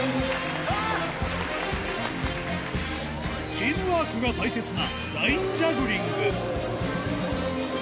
チームワークが大切な